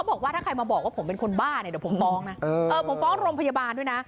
โอ้โหจังหวะที่ขึ้นเตียงเนี่ยคุณกระโดดเด้งขึ้นเลยนะฮะ